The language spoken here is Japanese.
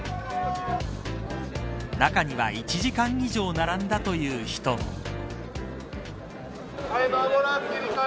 中には１時間以上並んだという人も。